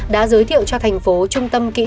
đã giới thiệu cho tp hcm